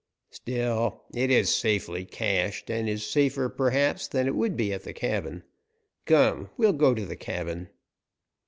"Still, it is safely cached, and is safer, perhaps, than it would be at the cabin. Come, we'll go to the cabin."